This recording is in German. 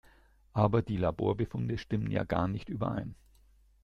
Aber die Laborbefunde stimmen ja gar nicht überein.